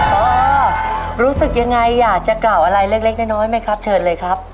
พ่อรู้สึกยังไงอยากจะกล่าวอะไรเล็กน้อยไหมครับเชิญเลยครับ